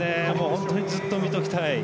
本当にずっと見ておきたい。